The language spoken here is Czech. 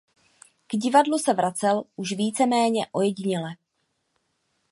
K divadlu se vracel už víceméně ojediněle.